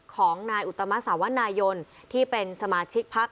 ของนายอุตมสาวนายนที่เป็นสมาชิกพัก